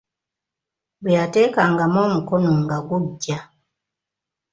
Bwe yateekangamu omukono nga guggya.